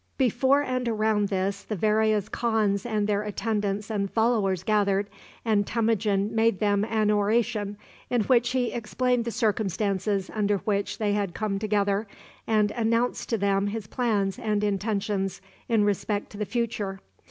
[C] Before and around this the various khans and their attendants and followers gathered, and Temujin made them an oration, in which he explained the circumstances under which they had come together, and announced to them his plans and intentions in respect to the future.